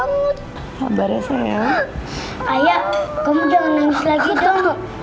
masa kamu ayoementernya ini i jelly ong